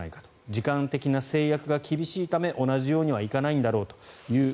時間的な制約が厳しいので同じようにはいかないんじゃないかと。